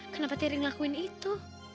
kenapa teri ngelakuin itu